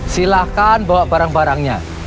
silahkan bawa barang barangnya